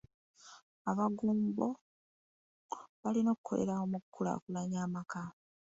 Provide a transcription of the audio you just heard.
Abagumbo balina okukolera awamu okukulaakulanya amaka.